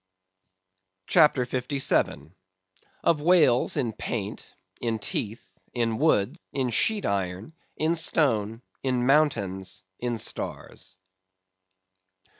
CHAPTER 57. Of Whales in Paint; in Teeth; in Wood; in Sheet Iron; in Stone; in Mountains; in Stars.